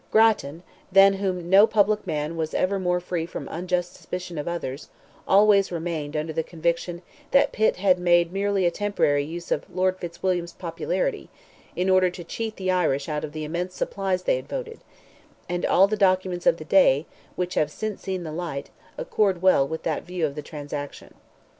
Grattan, than whom no public man was ever more free from unjust suspicion of others, always remained under the conviction that Pitt had made merely a temporary use of Lord Fitzwilliam's popularity, in order to cheat the Irish out of the immense supplies they had voted; and all the documents of the day, which have since seen the light, accord well with that view of the transaction.